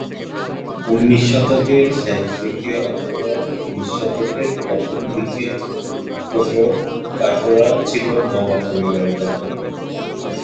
উনিশ শতকের শেষ দিকে অথবা বিশ শতকের প্রথম দিকে ছোট কাটরা ছিল নবাব পরিবারের দখলে।